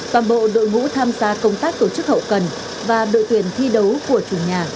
toàn bộ đội ngũ tham gia công tác tổ chức hậu cần và đội tuyển thi đấu của chủ nhà